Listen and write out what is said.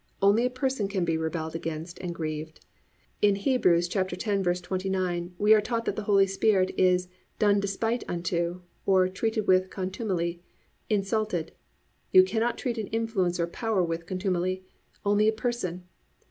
Only a person can be rebelled against and grieved. In Heb. 10:29 we are taught that the Holy Spirit is "done despite unto," or "treated with contumely," insulted. You cannot treat an influence or power with contumely; only a person.